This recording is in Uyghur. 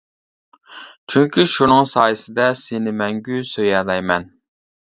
چۈنكى شۇنىڭ سايىسىدە سېنى مەڭگۈ سۆيەلەيمەن!